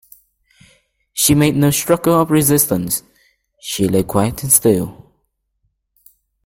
She made no struggle of resistance; she lay quiet and still.